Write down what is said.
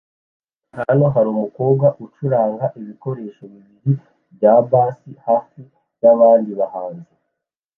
Hano harumukobwa ucuranga ibikoresho bibiri bya bass hafi yabandi bahanzi